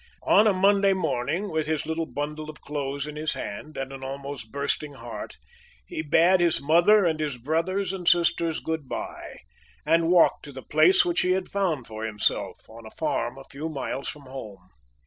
On a Monday morning, with his little bundle of clothes in his hand, and an almost bursting heart, he bade his mother and his brothers and sisters good by, and walked to the place which he had found for himself, on a farm a few miles from home.